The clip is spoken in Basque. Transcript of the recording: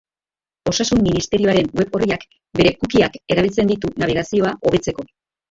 Osasun Ministerioaren web orriak bere cookie-ak erabiltzen ditu nabigazioa hobetzeko.